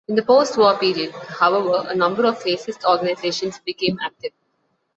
In the post-war period, however, a number of fascist organisations became active.